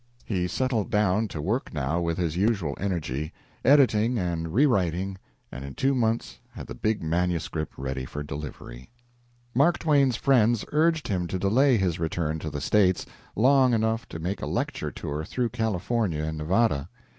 He settled down to work now with his usual energy, editing and rewriting, and in two months had the big manuscript ready for delivery. Mark Twain's friends urged him to delay his return to "the States" long enough to make a lecture tour through California and Nevada.